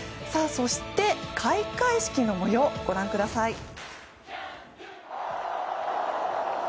そして、開会式の模様をご覧ください。